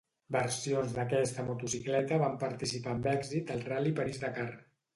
Versions d'aquesta motocicleta van participar amb èxit al Ral·li París Dakar.